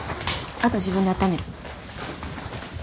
あと自分であっためる。